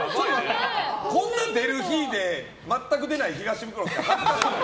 こんな出る日で全く出ない東ブクロさん恥ずかしい。